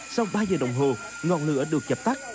sau ba giờ đồng hồ ngọn lửa được dập tắt